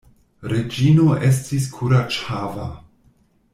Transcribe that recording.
Reĝino estis kuraĝhava.